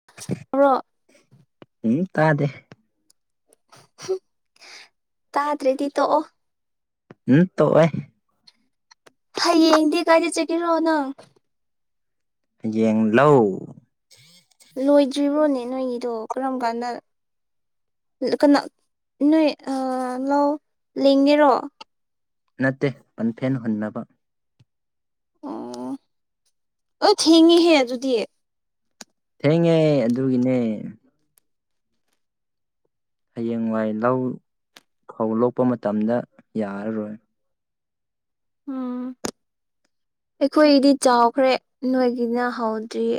[inaudible] ꯎꯝ ꯇꯥꯗꯦ ꯇꯥꯗ꯭ꯔꯦꯗꯤ ꯇꯣꯛꯑꯣ ꯎꯝ ꯇꯣꯛꯋꯦ ꯍꯌꯦꯡꯗꯤ ꯀꯥꯏꯗ ꯆꯠꯀꯦꯔꯣ ꯅꯪ ꯍꯌꯦꯡ ꯂꯧ ꯂꯣꯏꯗ꯭ꯔꯤꯕꯣꯅꯦ ꯅꯣꯏꯒꯤꯗꯣ ꯀꯔꯝ ꯀꯥꯟꯗ ꯀꯅꯥ ꯅꯣꯏ ꯑꯥ ꯂꯧ ꯂꯤꯡꯉꯤꯔꯣ ꯅꯠꯇꯦ ꯄꯟꯐꯦꯟ ꯍꯨꯟꯅꯕ ꯑꯣ ꯑꯎ ꯊꯤꯡꯉꯤꯍꯦ ꯑꯗꯨꯗꯤ ꯊꯦꯡꯉꯦ ꯑꯗꯨꯒꯤꯅꯦ ꯍꯌꯦꯡꯋꯥꯏ ꯂꯧ ꯐꯧ ꯂꯣꯛꯄ ꯃꯇꯝꯗ ꯌꯥꯔꯔꯣꯏ ꯑꯩꯈꯣꯏꯗꯤ ꯆꯥꯎꯈ꯭ꯔꯦ ꯅꯣꯏꯒꯤꯅ ꯍꯧꯗ꯭ꯔꯤꯌꯦ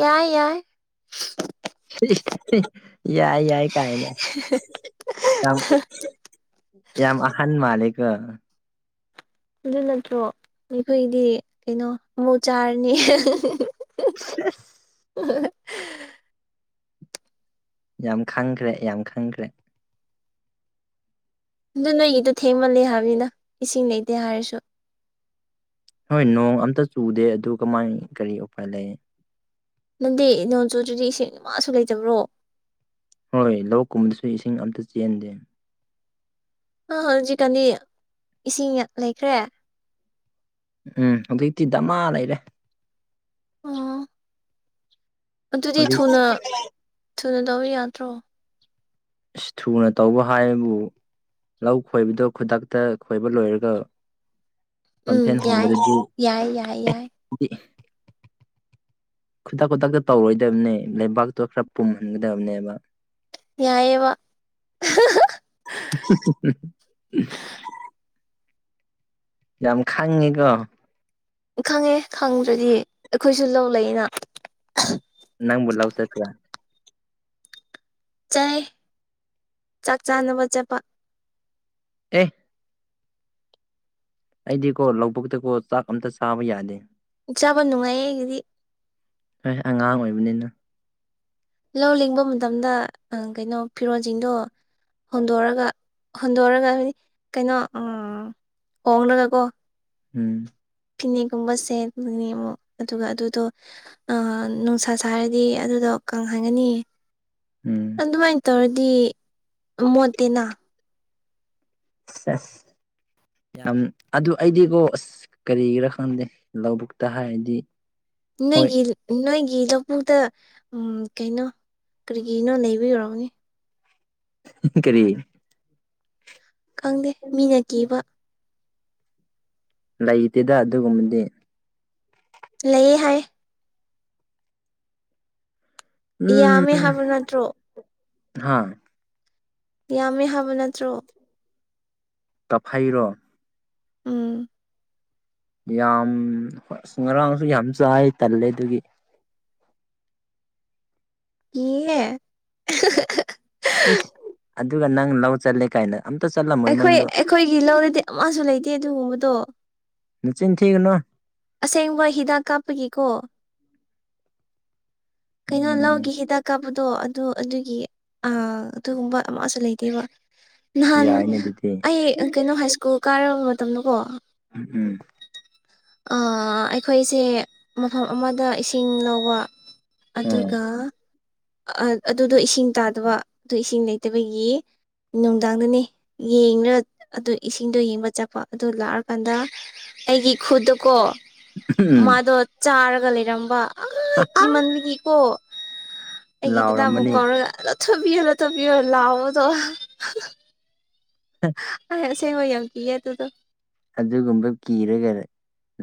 ꯌꯥꯏ ꯌꯥꯏ ꯌꯥꯏ ꯌꯥꯏ ꯀꯥꯏꯅ ꯌꯥꯝ ꯌꯥꯝ ꯑꯍꯟ ꯃꯥꯜꯂꯦꯀꯣ ꯑꯗꯨ ꯅꯠꯇ꯭ꯔꯣ ꯑꯩꯈꯣꯏꯗꯤ ꯀꯩꯅꯣ ꯑꯃꯨ ꯆꯥꯔꯅꯤ [inaudible] ꯌꯥꯝ ꯈꯪꯈ꯭ꯔꯦ ꯌꯥꯝ ꯈꯪꯈ꯭ꯔꯦ ꯑꯗꯨ ꯅꯣꯒꯤꯗꯣ ꯊꯦꯡꯃꯜꯂꯦ ꯍꯥꯏꯕꯅꯤꯗ ꯏꯁꯤꯡ ꯂꯩꯇꯦ ꯍꯥꯏꯔꯁꯨ ꯍꯣꯏ ꯅꯣꯡ ꯑꯃꯇ ꯆꯨꯗꯦ ꯑꯗꯨ ꯀꯃꯥꯏ ꯀꯔꯤ ꯎꯄꯥꯏ ꯂꯩ ꯅꯪꯗꯤ ꯅꯣꯡ ꯆꯨꯗ꯭ꯔꯗꯤ ꯏꯁꯤꯡ ꯑꯃꯥꯁꯨ ꯂꯩꯇꯕ꯭ꯔꯣ ꯍꯣꯏ ꯂꯧ ꯀꯨꯝꯕꯗꯁꯨ ꯏꯁꯤꯡ ꯑꯃꯇ ꯆꯦꯟꯗꯦ ꯑꯣ ꯍꯧꯖꯤꯛꯀꯥꯟꯗꯤ ꯏꯁꯤꯡ ꯂꯩꯈ꯭ꯔꯦ ꯎꯝ ꯍꯧꯖꯤꯛꯇꯤ ꯗꯃꯥ ꯂꯩꯔꯦ ꯑꯣ ꯑꯗꯨꯗꯤ ꯍꯧꯖꯤꯛ ꯊꯨꯅ ꯊꯨꯅ ꯇꯧꯕ ꯌꯥꯗ꯭ꯔꯣ ꯏꯁ ꯊꯨꯅ ꯇꯧꯕ ꯍꯥꯏꯕꯨ ꯂꯧ ꯈꯣꯏꯕꯗꯣ ꯈꯨꯗꯛꯇ ꯈꯣꯏꯕ ꯂꯣꯏꯔꯒ ꯂꯝꯐꯦꯟ ꯎꯝ ꯌꯥꯏ ꯍꯨꯝꯕꯗꯗꯤ ꯌꯥꯏ ꯌꯥꯏ ꯌꯥꯏ ꯈꯨꯗꯛ ꯈꯨꯗꯛꯇ ꯇꯧꯔꯣꯏꯗꯕꯅꯦ ꯂꯩꯕꯥꯛꯇꯣ ꯈꯔ ꯄꯨꯝꯍꯟꯒꯗꯕꯅꯦꯕ ꯌꯥꯏꯌꯦꯕ [inaudible] ꯌꯥꯝ ꯈꯪꯉꯦꯀꯣ ꯈꯪꯉꯦ ꯈꯪꯗ꯭ꯔꯗꯤ ꯑꯩꯈꯣꯏꯁꯨ ꯂꯧ ꯂꯩꯅ ꯅꯪꯕꯨ ꯂꯧ ꯆꯠꯄ꯭ꯔꯣ ꯆꯥꯏ ꯆꯥꯛ ꯆꯥꯟꯅꯕ ꯆꯠꯄ ꯑꯦ ꯑꯩꯗꯤꯀꯣ ꯂꯧꯕꯨꯛꯇꯀꯣ ꯆꯥꯛ ꯑꯃꯇ ꯆꯥꯕ ꯌꯥꯗꯦ ꯆꯥꯕ ꯅꯨꯡꯉꯥꯏ ꯑꯩꯒꯤꯗꯤ ꯑꯩ ꯑꯉꯥꯡ ꯑꯣꯏꯕꯅꯤꯅ ꯂꯧ ꯂꯤꯡꯕ ꯃꯇꯝꯗ ꯀꯩꯅꯣ ꯐꯤꯔꯣꯜꯁꯤꯡꯗꯣ ꯍꯣꯟꯗꯣꯔꯑꯒ ꯍꯣꯟꯗꯣꯔꯒ ꯍꯥꯏꯗꯤ ꯀꯩꯅꯣ ꯍꯣꯡꯂꯒꯀꯣ ꯎꯝ ꯐꯤꯅꯦꯛꯒꯨꯝꯕ ꯁꯦꯠꯄꯅꯦ ꯑꯃꯨꯛ ꯑꯗꯨꯒ ꯑꯗꯨꯗꯣ ꯑꯥ ꯅꯨꯡꯁꯥ ꯁꯥꯔꯗꯤ ꯑꯗꯨꯗꯣ ꯀꯪꯍꯟꯒꯅꯤ ꯎꯝ ꯑꯗꯨꯃꯥꯏꯅ ꯇꯧꯔꯗꯤ ꯃꯣꯠꯇꯦꯅ ꯑ [inaudible] ꯌꯥꯝ ꯑꯗꯨ ꯑꯩꯗꯤꯀꯣ ꯑꯁ ꯀꯔꯤꯒꯤꯔꯥ ꯈꯪꯗꯦ ꯂꯧꯕꯨꯛꯇ ꯍꯥꯏꯔꯗꯤ ꯍꯣꯏ ꯅꯣꯏꯒꯤ ꯅꯣꯏꯒꯤ ꯂꯧꯕꯨꯛꯇ ꯀꯩꯅꯣ ꯀꯔꯤꯒꯤꯅꯣ ꯂꯩꯕꯤ ꯑꯣꯏꯔꯝꯒꯅꯤ ꯀꯔꯤ ꯈꯪꯗꯦ ꯃꯤꯅ ꯀꯤꯕ ꯂꯩꯇꯦꯗ ꯑꯗꯨꯒꯨꯝꯕꯗꯤ ꯂꯩꯌꯦ ꯍꯥꯏ ꯎꯝ ꯌꯥꯝꯃꯦ ꯍꯥꯏꯕ ꯅꯠꯇ꯭ꯔꯣ ꯍꯥ ꯌꯥꯝꯃꯦ ꯍꯥꯏꯕ ꯅꯠꯇ꯭ꯔꯣ ꯀꯥꯛꯐꯩꯔꯣ ꯎꯝ ꯌꯥꯝ ꯉꯔꯥꯡꯁꯨ ꯌꯥꯝ ꯆꯥꯏ ꯇꯜꯂꯦ ꯑꯗꯨꯒꯤ ꯀꯤꯌꯦꯍꯦ ꯏꯁ ꯑꯗꯨꯒ ꯅꯪ ꯂꯧ ꯆꯠꯂꯦ ꯀꯥꯏꯅ ꯑꯃꯇ ꯆꯠꯂꯝꯃꯣꯏ ꯑꯩꯈꯣꯏ ꯅꯪꯗꯣ ꯑꯩꯈꯣꯏꯒꯤ ꯂꯧꯔꯗꯤ ꯑꯃꯁꯨ ꯂꯩꯇꯦ ꯑꯗꯨꯒꯨꯝꯕꯗꯣ ꯅꯆꯤꯟ ꯊꯤꯒꯅꯣ ꯑꯁꯦꯡꯕ ꯍꯤꯗꯥꯛ ꯀꯥꯞꯄꯒꯤꯀꯣ ꯀꯩꯅꯣ ꯎꯝ ꯂꯧꯒꯤ ꯍꯤꯗꯥꯛ ꯀꯥꯞꯄꯗꯣ ꯑꯗꯨ ꯑꯗꯨꯒꯤ ꯑꯥ ꯑꯗꯨꯒꯨꯝꯕ ꯑꯃꯁꯨ ꯂꯩꯇꯦꯕ ꯅꯍꯥꯟ ꯌꯥꯏꯅꯦ ꯑꯗꯨꯗꯤ ꯑꯩ ꯀꯩꯅꯣ ꯍꯥꯏ ꯁ꯭ꯀꯨꯜ ꯀꯥꯔꯕ ꯃꯇꯝꯗꯀꯣ ꯎꯝ ꯎꯝ ꯑꯥ ꯑꯩꯈꯣꯏꯁꯦ ꯃꯐꯝ ꯑꯃꯗ ꯏꯁꯤꯡ ꯂꯧꯕ ꯑꯗꯨꯒ ꯑ ꯑꯗꯨꯗꯣ ꯏꯁꯤꯡ ꯇꯥꯗꯕ ꯑꯗꯨ ꯏꯁꯤꯡ ꯂꯩꯇꯕꯒꯤ ꯅꯨꯡꯗꯥꯡꯗꯅꯦ ꯌꯦꯡꯔ ꯑꯗꯨ ꯏꯁꯤꯡꯗꯣ ꯌꯦꯡꯕ ꯆꯠꯄ ꯑꯗꯨ ꯂꯥꯛꯑꯀꯥꯟꯗ ꯑꯩꯒꯤ ꯈꯨꯠꯇꯣꯀꯣ ꯎꯝ ꯃꯥꯗꯣ ꯆꯥꯔꯒ ꯂꯩꯔꯝꯕ ꯑꯩ ꯎꯝ ꯀꯤꯃꯟ ꯒꯤꯀꯣ ꯑꯩꯒꯤ ꯗꯗꯥꯕꯨ ꯂꯥꯎꯔꯝꯃꯅꯤ ꯀꯧꯔꯒ ꯑꯂ ꯊꯨꯞꯌꯦꯜꯂꯣ ꯊꯨꯞꯌꯦꯜꯂꯣ ꯂꯥꯎꯔ ꯗꯣ ꯍ ꯑꯩ ꯑꯁꯦꯡꯕ ꯌꯥꯝ ꯀꯤꯌꯦ ꯑꯗꯨꯗꯣ ꯑꯗꯨꯒꯨꯝꯕ ꯀꯤꯔꯒ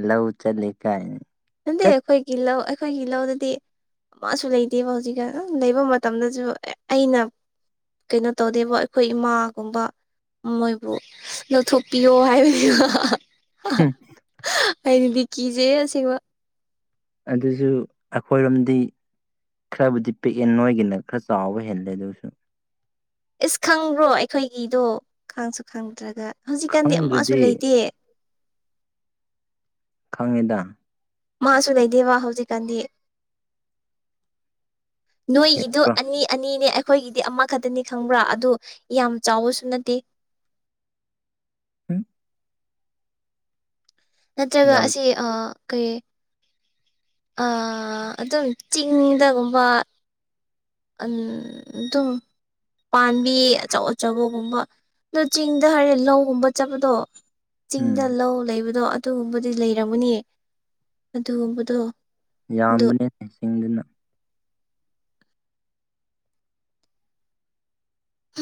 ꯂꯧ ꯆꯠꯂꯦ ꯀꯥꯏꯅ ꯅꯠꯗꯦ ꯆꯠ ꯑꯩꯈꯣꯏꯒꯤ ꯂꯧ ꯑꯩꯈꯣꯏꯒꯤ ꯂꯧꯗꯗꯤ ꯑꯃꯥꯁꯨ ꯂꯩꯇꯦꯕ ꯍꯧꯖꯤꯛꯀꯥꯟ ꯑꯍ ꯂꯩꯕ ꯃꯇꯝꯗꯁꯨ ꯑꯩꯅ ꯀꯩꯅꯣ ꯇꯧꯗꯦꯕ ꯑꯩꯈꯣꯏ ꯏꯃꯥꯒꯨꯝꯕ ꯎꯝ ꯃꯣꯏꯕꯨ ꯂꯧꯊꯣꯛꯄꯤꯌꯣ ꯍꯥꯏꯕꯅꯦꯕꯥꯥ ꯍꯨꯝ ꯑꯩꯗꯤ ꯀꯤꯖꯤꯌꯦ ꯑꯁꯦꯡꯕ ꯑꯗꯨꯁꯨ ꯑꯈꯣꯏꯔꯣꯝꯗꯤ ꯈꯔꯕꯨꯗꯤ ꯄꯤꯛꯑꯦ ꯅꯣꯏꯒꯤꯅ ꯈꯔ ꯆꯥꯎꯕ ꯍꯦꯜꯂꯦ ꯑꯗꯨꯁꯨ ꯏꯁ ꯈꯪꯕ꯭ꯔꯣ ꯑꯩꯈꯣꯏꯒꯤꯗꯣ ꯈꯪꯁꯨ ꯈꯪꯗ꯭ꯔꯒ ꯍꯧꯖꯤꯛꯀꯥꯟꯗꯤ ꯑꯃꯥꯁꯨ ꯈꯪꯗ꯭ꯔꯗꯤ ꯂꯩꯇꯦ ꯈꯪꯉꯤꯗꯥ ꯃꯥꯁꯨ ꯂꯩꯗꯦꯕ ꯍꯧꯖꯤꯛꯀꯥꯟꯗꯤ ꯅꯣꯏꯒꯤꯗꯨ ꯑꯅꯤ ꯑꯅꯤꯅꯦ ꯑꯩꯈꯣꯏꯒꯤꯗꯤ ꯑꯃꯈꯛꯇꯅꯤ ꯈꯪꯕ꯭ꯔꯥ ꯑꯗꯨ ꯌꯥꯝ ꯆꯥꯎꯕꯁꯨ ꯅꯠꯇꯦ ꯎꯝ ꯅꯠꯇ꯭ꯔꯒ ꯌꯥꯝ ꯑꯁꯤ ꯑꯥ ꯀꯩ ꯑꯥ ꯑꯗꯨꯝ ꯆꯤꯡꯗꯒꯨꯝꯕ ꯑꯟ ꯗꯨꯝ ꯄꯥꯟꯕꯤ ꯑꯆꯧ ꯑꯆꯧꯕꯒꯨꯝꯕ ꯑꯗꯣ ꯆꯤꯡꯗ ꯍꯥꯏꯔꯦ ꯂꯧꯒꯨꯝꯕ ꯆꯠꯄꯗꯣ ꯎꯝ ꯆꯤꯡꯗ ꯂꯧ ꯂꯩꯕꯗꯣ ꯑꯗꯨꯒꯨꯝꯕꯗꯤ ꯂꯩꯔꯝꯃꯅꯤ ꯑꯗꯨꯒꯨꯝꯕꯗꯣ ꯑꯗꯨ ꯌꯥꯝꯕꯅꯦ ꯆꯤꯡꯗꯅ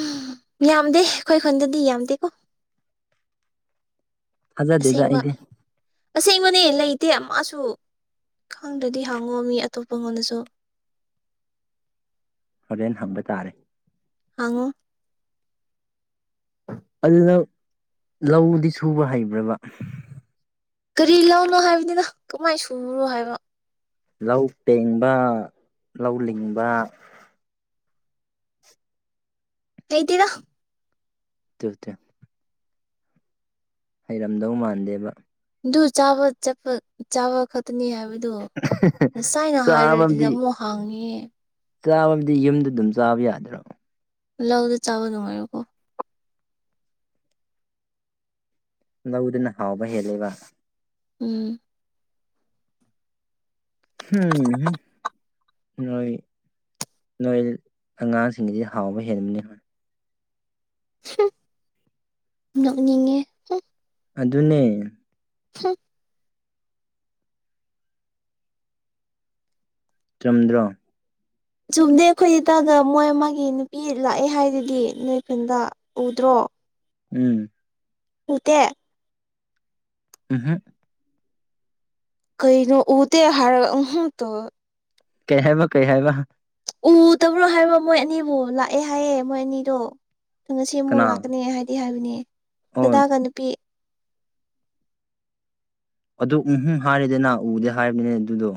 ꯎꯝ ꯌꯥꯝꯗꯦ ꯑꯩꯈꯣꯏ ꯈꯨꯟꯗꯗꯤ ꯌꯥꯝꯗꯦꯀꯣ ꯊꯥꯖꯗꯦꯗ ꯑꯁꯦꯡꯕ ꯑꯩꯗꯤ ꯑꯁꯦꯡꯕꯅꯦ ꯂꯩꯇꯦ ꯑꯃꯥꯁꯨ ꯈꯪꯗ꯭ꯔꯗꯤ ꯍꯪꯉꯣ ꯃꯤ ꯑꯇꯣꯞꯄꯉꯣꯟꯗꯁꯨ ꯍꯣꯔꯦꯟ ꯍꯪꯕ ꯇꯥꯔꯦ ꯍꯪꯉꯣ ꯑꯗꯨ ꯅꯪ ꯂꯧꯗꯤ ꯁꯨꯕ ꯍꯩꯕ꯭ꯔꯥꯕ ꯀꯔꯤ ꯂꯧꯅꯣ ꯍꯥꯏꯕꯅꯤꯗ ꯀꯃꯥꯏꯟ ꯁꯨꯔꯣ ꯍꯥꯏꯕ ꯂꯧ ꯄꯦꯡꯕ ꯂꯧ ꯂꯤꯡꯕ ꯂꯩꯇꯦꯗ ꯇꯨꯇꯣ ꯍꯩꯔꯝꯗꯧ ꯃꯥꯟꯗꯦꯕ ꯑꯗꯨ ꯆꯥꯕ ꯆꯠꯄ ꯆꯥꯕ ꯈꯛꯇꯅꯤ ꯍꯥꯏꯕꯗꯨ ꯉꯁꯥꯏꯅ ꯍꯥꯏꯔꯗꯨꯗꯤ ꯑꯃꯨꯛ ꯍꯪꯉꯤ ꯆꯥꯕꯕꯨꯗꯤ ꯌꯨꯝꯗ ꯑꯗꯨꯝ ꯆꯥꯕ ꯌꯥꯗ꯭ꯔꯣ ꯂꯥꯎꯗꯣ ꯆꯥꯕ ꯅꯨꯡꯉꯥꯏꯔꯣꯀꯣ ꯂꯧꯗꯅ ꯍꯥꯎꯕ ꯍꯦꯜꯂꯦꯕ ꯎꯝ ꯍꯨꯝ ꯍꯨꯝ ꯅꯣꯏ ꯅꯣꯏ ꯑꯉꯥꯡꯁꯤꯡꯒꯤꯗꯤ ꯍꯥꯎꯕ ꯍꯦꯟꯕꯅꯤꯍꯦ ꯅꯣꯛꯅꯤꯡꯉꯦ ꯑꯗꯨꯅꯦ ꯍꯨꯝ ꯆꯨꯝꯗ꯭ꯔꯣ ꯆꯨꯝꯗꯦ ꯑꯩꯈꯣꯏ ꯏꯇꯥꯒ ꯃꯣꯏ ꯑꯃꯥꯒꯤ ꯅꯨꯄꯤ ꯂꯥꯛꯑꯦ ꯍꯥꯏꯗꯨꯗꯤ ꯅꯣꯏꯐꯨꯟꯗ ꯎꯗ꯭ꯔꯣ ꯎꯝ ꯎꯇꯦ ꯎꯍꯨꯝ ꯀꯩꯅꯣ ꯎꯗꯦ ꯍꯥꯏꯔ ꯎꯍꯨꯝ ꯇꯧꯋꯦ ꯀꯩ ꯍꯥꯏꯕ ꯀꯩ ꯍꯥꯏꯕ ꯎꯗꯕ꯭ꯔꯣ ꯍꯥꯏꯕ ꯃꯣꯏ ꯑꯅꯤꯕꯨ ꯂꯥꯛꯑꯦ ꯍꯥꯏꯌꯦ ꯃꯣꯏ ꯑꯅꯤꯗꯣ ꯉꯁꯤ ꯑꯃꯨꯛ ꯀꯅꯥ ꯂꯥꯛꯀꯅꯤ ꯍꯥꯏ ꯍꯥꯏꯕꯅꯦ ꯑꯣ ꯗꯥꯗꯥꯒ ꯅꯨꯄꯤ ꯑꯗꯨ ꯎꯍꯨꯝ ꯍꯥꯏꯔꯦꯗꯅ ꯎꯗꯦ ꯍꯥꯏꯕꯅꯤꯅꯦ ꯑꯗꯨꯗꯣ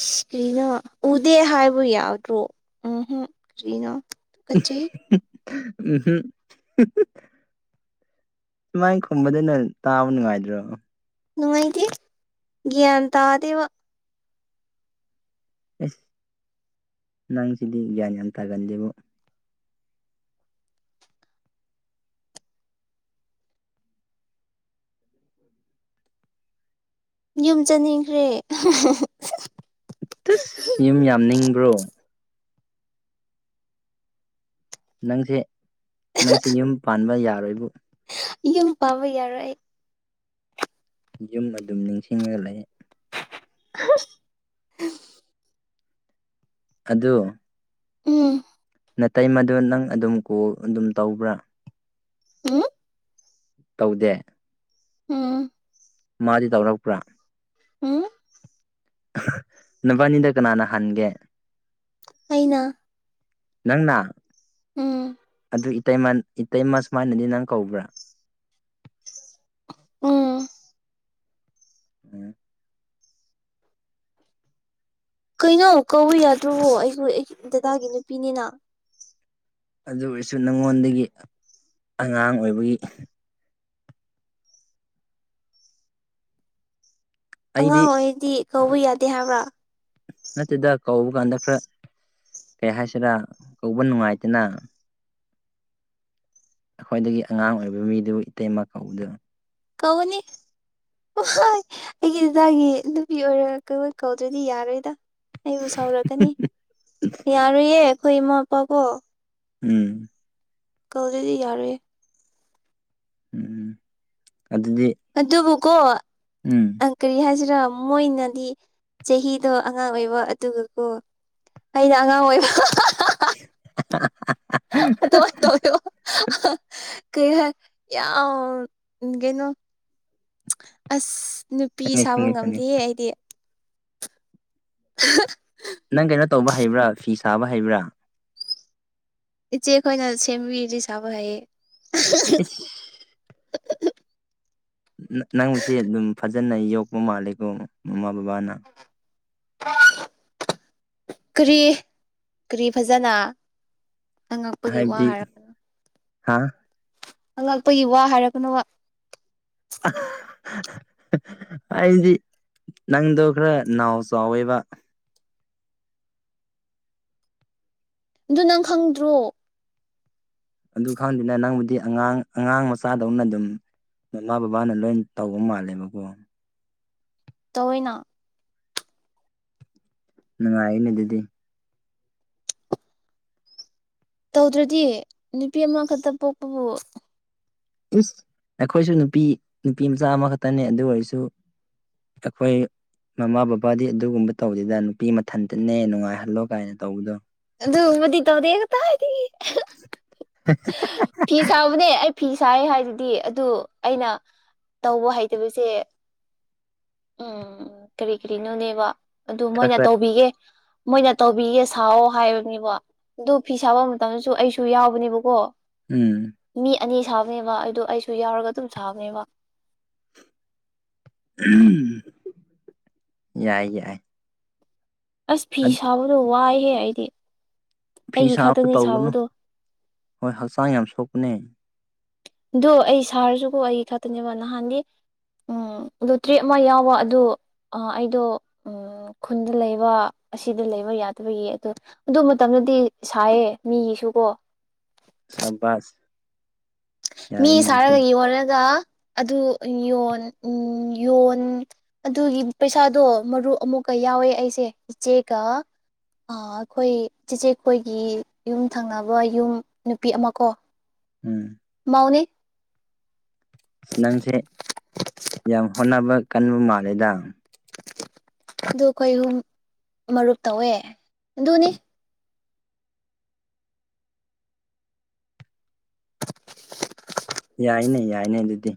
ꯀ꯭ꯔꯤꯅꯣ ꯎꯗꯦ ꯍꯥꯏꯕꯨ ꯌꯥꯗ꯭ꯔꯣ ꯎꯍꯨꯝ ꯀ꯭ꯔꯤꯅꯣ ꯎꯍꯨꯝ ꯁꯨꯃꯥꯏ ꯈꯨꯝꯕꯗꯨꯅ ꯇꯥꯕ ꯅꯨꯡꯉꯥꯏꯗ꯭ꯔꯣ ꯅꯨꯡꯉꯥꯏꯇꯦ ꯒ꯭ꯌꯥꯟ ꯇꯥꯗꯦꯕ ꯑꯦꯁ ꯅꯪꯁꯤꯗꯤ ꯒ꯭ꯌꯥꯟ ꯌꯥꯝ ꯊꯥꯒꯟꯗꯦꯕꯨ ꯌꯨꯝ ꯆꯠꯅꯤꯡꯈ꯭ꯔꯦ ꯑꯁ ꯌꯨꯝ ꯌꯥꯝ ꯅꯤꯡꯕ꯭ꯔꯣ ꯅꯪꯁꯦ ꯅꯪꯁꯦ ꯌꯨꯝ ꯄꯥꯟꯕ ꯌꯥꯔꯣꯏꯕꯨ ꯌꯨꯝꯄꯥꯟꯕ ꯌꯥꯔꯣꯏ ꯑꯩ ꯌꯨꯝ ꯑꯗꯨꯝ ꯅꯤꯡꯁꯤꯡꯉꯒ ꯂꯩꯌꯦ [unintelligible] ꯑꯗꯨ ꯎꯝ ꯅꯥꯇꯩꯃꯥꯗ ꯅꯪ ꯑꯗꯨꯝ ꯀꯣꯜ ꯑꯗꯨꯝ ꯇꯧꯕ꯭ꯔꯥ ꯎꯝ ꯇꯧꯗꯦ ꯎꯝ ꯃꯥꯗꯤ ꯇꯧꯔꯛꯄ꯭ꯔꯥ ꯎꯝ ꯅꯣꯏꯕꯅꯤꯗ ꯀꯅꯥꯅ ꯍꯥꯟꯒꯦ ꯑꯩꯅ ꯅꯪꯅ ꯎꯝ ꯑꯗꯨ ꯏꯇꯩꯃ ꯏꯇꯩꯃ ꯁꯨꯃꯥꯏꯅꯗꯤ ꯅꯪ ꯀꯧꯕ꯭ꯔꯥ ꯎꯝ ꯎꯝ ꯀꯩꯅꯣ ꯀꯧꯕ ꯌꯥꯗ꯭ꯔꯣꯕꯣ ꯑꯩꯁꯨ ꯑꯩꯒꯤ ꯗꯗꯥꯒꯤ ꯅꯨꯄꯤꯅꯤꯅ ꯑꯗꯨ ꯑꯣꯏꯔꯁꯨ ꯅꯉꯣꯟꯗꯒꯤ ꯑꯉꯥꯡ ꯑꯣꯏꯕꯒꯤ ꯑꯩꯗꯤ ꯑꯉꯥꯡ ꯑꯣꯏꯗꯤ ꯀꯧꯕ ꯌꯥꯗꯦ ꯍꯥꯏꯕ꯭ꯔꯥ ꯅꯠꯇꯦꯗ ꯀꯧꯕ ꯀꯥꯟꯗ ꯈꯔ ꯀꯩ ꯍꯥꯏꯁꯤꯔꯥ ꯀꯧꯕ ꯅꯨꯡꯉꯥꯏꯇꯅ ꯑꯩꯈꯣꯏꯗꯒꯤ ꯑꯉꯥꯡ ꯑꯣꯏꯕ ꯃꯤꯗꯨꯕꯨ ꯏꯇꯩꯃꯥ ꯀꯧꯕꯗꯨ ꯀꯧꯒꯅꯤ ꯑꯣꯍꯣꯏ ꯑꯩꯒꯤ ꯅꯪꯒꯤ ꯅꯨꯄꯤ ꯑꯣꯏꯔꯀ ꯀꯧꯗ꯭ꯔꯗꯤ ꯌꯥꯔꯣꯏꯗ ꯑꯩꯕꯨ ꯁꯥꯎꯔꯛꯀꯅꯤ ꯌꯥꯔꯣꯏꯌꯦ ꯑꯩꯈꯣꯏ ꯏꯃꯥ ꯏꯄꯥ ꯀꯣ ꯎꯝ ꯀꯧꯗꯗꯤ ꯌꯥꯔꯣꯏꯌꯦ ꯎꯝ ꯑꯗꯨꯗꯤ ꯑꯗꯨꯕꯨ ꯀꯣ ꯎꯝ ꯑꯪ ꯀꯔꯤ ꯍꯥꯏꯁꯤꯔꯣ ꯃꯣꯏꯅꯗꯤ ꯆꯍꯤꯗꯣ ꯑꯉꯥꯡ ꯑꯣꯏꯕ ꯑꯗꯨꯒꯀꯣ ꯑꯩꯅ ꯑꯉꯥꯡ ꯑꯣꯏꯕ [unintelligible] [unintelligible] [unintelligible] ꯀꯩ ꯍꯥꯏ ꯌꯥꯝ ꯀꯩꯅꯣ ꯑꯁ ꯅꯨꯄꯤ ꯈꯪꯉꯦ ꯁꯥꯕ ꯈꯪꯉꯦ ꯈꯪꯉꯦ ꯉꯝꯗꯤꯌꯦ ꯑꯩꯗꯤ [unintelligible] ꯅꯪ ꯀꯩꯅꯣ ꯇꯧꯕ ꯍꯩꯕ꯭ꯔꯥ ꯐꯤ ꯁꯥꯕ ꯍꯩꯕ꯭ꯔꯥ ꯏꯆꯦꯈꯣꯏꯅ ꯁꯦꯝꯕꯤꯔꯗꯤ ꯁꯥꯕ ꯍꯩꯌꯦ ꯏꯁ ꯅꯪꯁꯦ ꯑꯗꯨꯝ ꯐꯖꯅ ꯌꯣꯛꯄ ꯃꯥꯜꯂꯦꯀꯣ ꯃꯃꯥ ꯕꯕꯥꯅ [inaudible] ꯀꯔꯤ ꯀꯔꯤ ꯐꯖꯅ ꯑꯉꯛꯄꯒꯤ ꯋꯥ ꯍꯥꯏꯕꯗꯤ ꯍꯥꯏꯔꯛ ꯍꯥ ꯑꯉꯛꯄꯒꯤ ꯋꯥ ꯍꯥꯏꯔꯛꯀꯅꯣꯕ ꯑꯩꯗꯤ ꯅꯪꯗꯣ ꯈꯔ ꯅꯥꯎ ꯆꯥꯎꯋꯦꯕ ꯑꯗꯨ ꯅꯪ ꯈꯪꯗ꯭ꯔꯣ ꯑꯗꯨ ꯈꯪꯗꯨꯅ ꯅꯪꯕꯨꯗꯤ ꯑꯉꯥꯡ ꯑꯉꯥꯡ ꯃꯆꯥꯗꯧꯅ ꯑꯗꯨꯝ ꯃꯃꯥ ꯕꯕꯥꯅ ꯂꯣꯏꯟ ꯇꯧꯕ ꯃꯥꯜꯂꯦꯕꯀꯣ ꯇꯧꯋꯤꯅ ꯅꯨꯡꯉꯥꯏꯌꯦꯅꯦ ꯑꯗꯨꯗꯤ ꯇꯧꯗ꯭ꯔꯗꯤ ꯅꯨꯄꯤ ꯑꯃꯈꯛꯇ ꯄꯣꯛꯄꯕꯨ ꯏꯁ ꯑꯩꯈꯣꯏꯁꯨ ꯅꯨꯄꯤ ꯅꯨꯄꯤ ꯃꯆꯥ ꯑꯃꯈꯛꯇꯅꯦ ꯑꯗꯨ ꯑꯣꯏꯔꯁꯨ ꯑꯩꯈꯣꯏ ꯃꯃꯥ ꯕꯕꯥꯗꯤ ꯑꯗꯨꯒꯨꯝꯕ ꯇꯧꯗꯦꯗ ꯅꯨꯄꯤ ꯃꯊꯟꯇꯅꯦ ꯅꯨꯡꯉꯥꯏꯍꯜꯂꯣ ꯀꯥꯏꯅ ꯇꯧꯕꯗꯣ ꯑꯗꯨꯕꯨꯗꯤ ꯇꯧꯗꯦ ꯀꯗꯥꯏꯗꯒꯤ ꯐꯤ ꯁꯥꯕꯅꯦ ꯑꯩ ꯐꯤ ꯁꯥꯏ ꯍꯥꯏꯗꯨꯗꯤ ꯑꯗꯨ ꯑꯩꯅ ꯇꯧꯕ ꯍꯩꯇꯕꯁꯦ ꯎꯝ ꯀꯔꯤ ꯀꯔꯤꯅꯣꯅꯦꯕ ꯑꯗꯨ ꯈꯔ ꯃꯣꯏꯅ ꯈꯔ ꯇꯧꯕꯤꯌꯦ ꯃꯣꯏꯅ ꯇꯧꯕꯤꯌꯦ ꯁꯥꯎꯋꯣ ꯍꯥꯏꯕꯅꯤꯕꯣ ꯗꯨ ꯐꯤ ꯁꯥꯕ ꯃꯇꯝꯗꯁꯨ ꯑꯩꯁꯨ ꯌꯥꯎꯕꯅꯦꯕꯀꯣ ꯎꯝ ꯃꯤ ꯑꯅꯤ ꯁꯥꯕꯅꯦꯕ ꯑꯩꯗꯣ ꯑꯩꯁꯨ ꯌꯥꯎꯔꯒ ꯑꯗꯨꯝ ꯁꯥꯕꯅꯦꯕ ꯌꯥꯏ ꯌꯥꯏ ꯑꯁ ꯐꯤ ꯁꯥꯕꯗꯣ ꯋꯥꯏꯍꯦ ꯑꯩꯗꯤ ꯐꯤ ꯑꯩꯒꯤ ꯁꯥꯕ ꯈꯛꯇꯅꯤ ꯇꯧꯒꯅꯨ ꯁꯥꯕꯗꯣ ꯍꯣꯏ ꯍꯛꯆꯥꯡ ꯌꯥꯝ ꯁꯣꯛꯄꯅꯦ ꯑꯗꯣ ꯑꯩ ꯁꯥꯔꯁꯨꯀꯣ ꯑꯩ ꯈꯛꯇꯅꯦꯕ ꯅꯍꯥꯟꯒꯤ ꯎꯝ ꯂꯣꯇ꯭ꯔꯤ ꯑꯃ ꯌꯥꯎꯕ ꯑꯗꯨ ꯑꯩꯗꯣ ꯎꯝ ꯑ ꯈꯨꯟꯗ ꯂꯩꯕ ꯑꯁꯤꯗ ꯂꯩꯕ ꯌꯥꯗꯕꯒꯤ ꯑꯗꯨ ꯑꯗꯨ ꯃꯇꯝꯗꯗꯤ ꯁꯥꯏꯌꯦ ꯃꯤꯒꯤꯁꯨ ꯀꯣ ꯁꯕꯥꯁ ꯃꯤ ꯌꯥꯏꯅꯦ ꯑꯗꯨꯗꯤ ꯁꯥꯔꯒ ꯌꯣꯜꯂꯒ ꯑꯗꯨ ꯌꯣꯟ ꯎꯝ ꯌꯣꯟ ꯑꯗꯨꯒꯤ ꯄꯩꯁꯥꯗꯣ ꯃꯔꯨ ꯑꯃꯨꯛꯀ ꯌꯥꯎꯋꯦ ꯑꯩꯁꯦ ꯏꯆꯦꯒ ꯑ ꯑꯩꯈꯣꯏ ꯆꯦꯆꯦꯈꯣꯏꯒꯤ ꯌꯨꯝ ꯊꯪꯅꯕ ꯌꯨꯝ ꯅꯨꯄꯤ ꯑꯃ ꯀꯣ ꯎꯝ ꯃꯧꯎꯅꯦ ꯑꯁ ꯅꯪꯁꯦ ꯌꯥꯝ ꯍꯣꯠꯅꯕ ꯀꯟꯕ ꯃꯥꯜꯂꯦꯗ ꯑꯗꯨ ꯑꯩꯈꯣꯏ ꯑꯍꯨꯝ ꯃꯔꯨꯞ ꯇꯧꯋꯦ ꯑꯗꯨꯅꯤ ꯌꯥꯏꯅꯦ ꯌꯥꯏꯅꯦ ꯑꯗꯨꯗꯤ